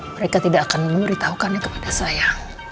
mereka tidak akan memberitahukannya kepada saya